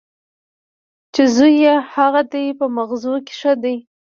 چې زوی یې هغه دی په مغزو کې ښه دی.